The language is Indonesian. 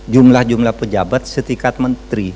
jumlah jumlah pejabat setingkat menteri